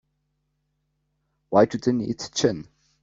Why do they need gin?